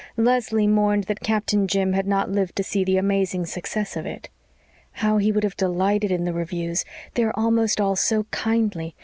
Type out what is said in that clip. Leslie mourned that Captain Jim had not lived to see the amazing success of it. "How he would have delighted in the reviews they are almost all so kindly.